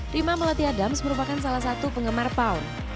rima melati adams merupakan salah satu penggemar pound